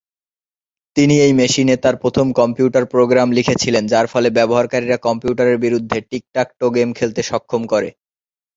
তিনি এই মেশিনে তার প্রথম কম্পিউটার প্রোগ্রাম লিখেছিলেন যার ফলে ব্যবহারকারীরা কম্পিউটারের বিরুদ্ধে টিক-টাক-টো গেম খেলতে সক্ষম করে।